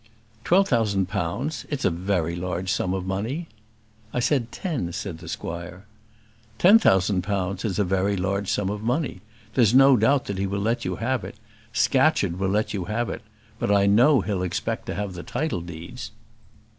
"Twelve thousand pounds! It's a very large sum of money." "I said ten," said the squire. "Ten thousand pounds is a very large sum of money. There is no doubt he'll let you have it. Scatcherd will let you have it; but I know he'll expect to have the title deeds."